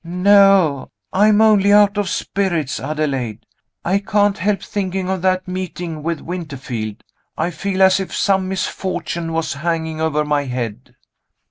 "No; I am only out of spirits, Adelaide. I can't help thinking of that meeting with Winterfield. I feel as if some misfortune was hanging over my head."